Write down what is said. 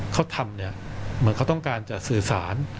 เขาทำเนี่ยเหมือนเขาต้องการจะสื่อสาร